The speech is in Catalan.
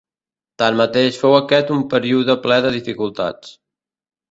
Tanmateix fou aquest un període ple de dificultats.